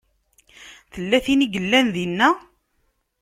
Tella tin i yellan dinna?